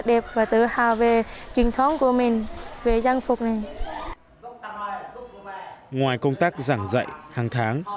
đẹp và tự hào về truyền thống của mình về trang phục này ngoài công tác giảng dạy hàng tháng